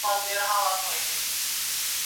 د کوهي څنډي ته نه وو راختلی !.